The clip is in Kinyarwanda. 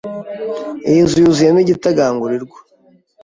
Iyi nzu yuzuyemo igitagangurirwa.